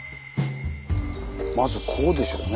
まずこうでしょうね。